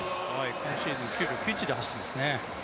今シーズン９秒９１で走っていますね。